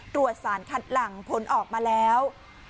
ตรวจสารคัดหลังผลออกมาแล้ว